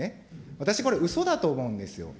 私、これ、うそだと思うんですよ。